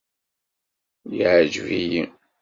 Yeɛjeb-iyi.